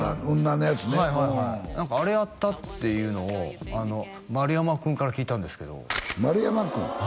おお何かあれやったっていうのを丸山くんから聞いたんですけど丸山くん？